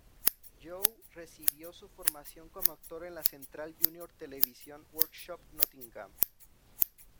Joe recibió su formación como actor en la Central Junior Television Workshop, Nottingham.